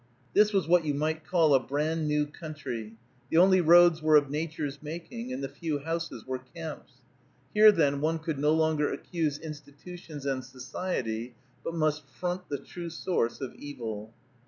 This was what you might call a bran new country; the only roads were of Nature's making, and the few houses were camps. Here, then, one could no longer accuse institutions and society, but must front the true source of evil.